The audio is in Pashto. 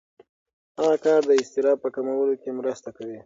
هغه کار د اضطراب په کمولو کې مرسته کوي.